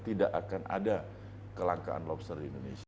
tidak akan ada kelangkaan lobster di indonesia